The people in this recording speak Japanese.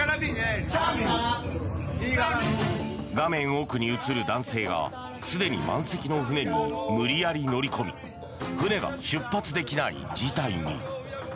画面奥に映る男性がすでに満席の船に無理やり乗り込み船が出発できない事態に。